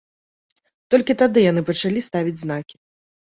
Толькі тады яны пачалі ставіць знакі.